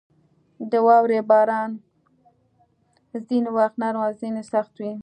• د واورې باران ځینې وخت نرم او ځینې سخت وي.